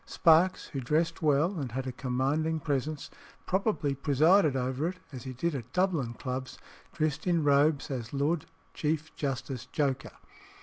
Sparkes, who dressed well and had a commanding presence, probably presided over it, as he did at Dublin clubs, dressed in robes as Lord Chief Justice Joker.